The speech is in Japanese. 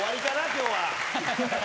今日は。